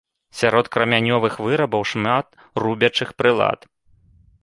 Сярод крамянёвых вырабаў шмат рубячых прылад.